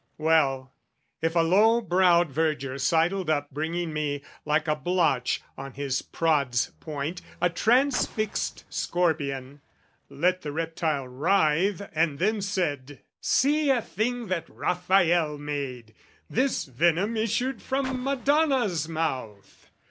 Well, if a low browed verger sidled up Bringing me, like a blotch, on his prod's point, A transfixed scorpion, let the reptile writhe, And then said, "See a thing that Rafael made "This venom issued from Madonna's mouth!"